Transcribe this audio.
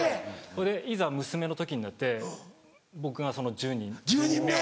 それでいざ娘の時になって僕がその１０人目を。